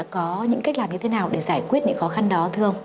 có những cách làm như thế nào để giải quyết những khó khăn đó thưa ông